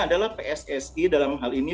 adalah pssi dalam hal ini